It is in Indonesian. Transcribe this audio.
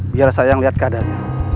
biar saya lihat keadaannya